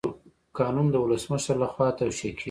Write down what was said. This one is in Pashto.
قانون د ولسمشر لخوا توشیح کیږي.